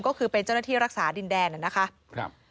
ก็คือเป็นเจ้าหน้าที่รักษาดินแดนนะคะ